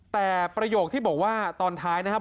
แต่ประโยคที่บอกว่าตอนท้ายนะครับ